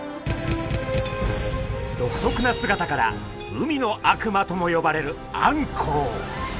独特な姿から海の悪魔とも呼ばれるあんこう。